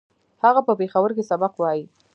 هغه په پېښور کې سبق وايي